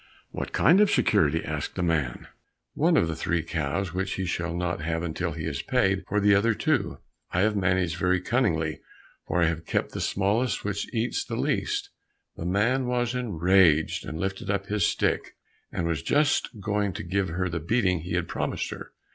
"What kind of security?" asked the man. "One of the three cows, which he shall not have until he has paid for the other two. I have managed very cunningly, for I have kept the smallest, which eats the least." The man was enraged and lifted up his stick, and was just going to give her the beating he had promised her.